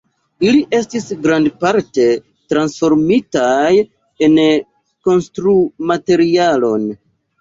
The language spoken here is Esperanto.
Ili estis grandparte transformitaj en konstru-materialon.